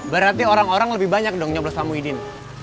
berarti orang orang lebih banyak dong nyoblos pak muhyiddin